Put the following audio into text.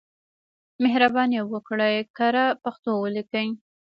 مهرباني وکړئ کره پښتو ولیکئ.